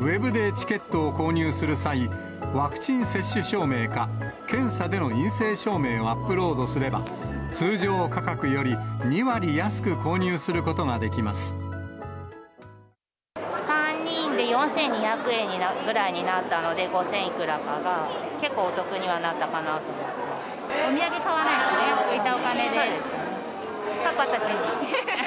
ＷＥＢでチケットを購入する際、ワクチン接種証明か、検査での陰性証明をアップロードすれば、通常価格より２割安く購入するこ３人で４２００円ぐらいになったので、５０００いくらかが、結構お得にはなったかなと思っています。